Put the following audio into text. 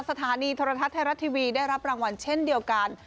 สถานีโทรทัศน์ไทยรัฐทีวีได้รับรางวัลเช่นเดียวกัน